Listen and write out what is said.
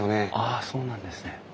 あそうなんですね。